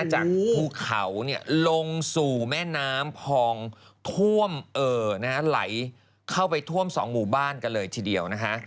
อู่วจากภูเขาเนี่ยลงสู่แม่น้ำพองท่วมเอ่อหล่ายเข้าไปท่วมสองหมู่บ้านกันเลยทีเดียวนะฮะ